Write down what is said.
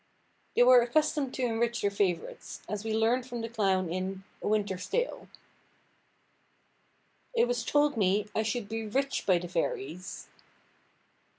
They were accustomed to enrich their favourites, as we learn from the clown in A Winter's Tale— "It was told me I should be rich by the fairies."